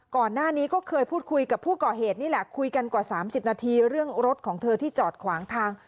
ก่อนหน้านี้ก็เคยพูดคุยกับผู้ก่อเหตุนี่แหละคุยกันกว่า๓๐นาทีเรื่องรถของเธอที่จอดขวางทาง